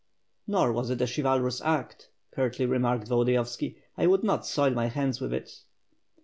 "Nor was it a chivalrous act," curtly remarked Volodi yovski. "I would not soil my hands with it."